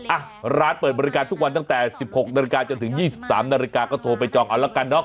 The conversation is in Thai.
อ่ะร้านเปิดบริการทุกวันตั้งแต่๑๖นาฬิกาจนถึง๒๓นาฬิกาก็โทรไปจองเอาละกันเนาะ